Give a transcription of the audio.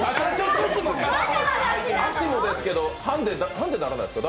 足もですけどハンデにならないですか？